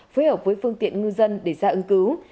phối hợp với phương tiện ngư dân để ra ứng cứu